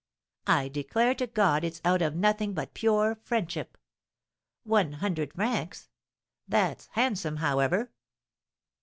I declare to God it's out of nothing but pure friendship! One hundred francs! That's handsome, however!"